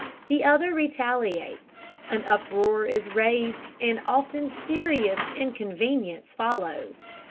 The other retaliates. An uproar is raised, and often serious inconvenience follows.